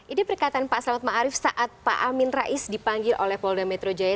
ini perkataan pak selamat ma'arif saat pak amin rais dipanggil oleh polda metro jaya